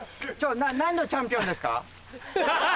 何のチャンピオンですか？